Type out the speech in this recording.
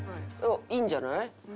いいんじゃない？